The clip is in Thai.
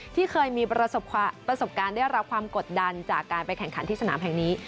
ที่เคยมีประสบการณ์ได้รับความกดดันจากการไปแข่งขันที่สนามแห่งนี้